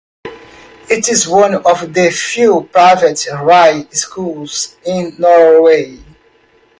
It is one of the few private high schools in Norway.